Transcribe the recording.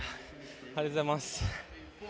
ありがとうございます。